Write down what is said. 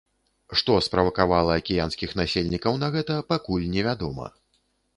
Што справакавала акіянскіх насельнікаў на гэта, пакуль не вядома.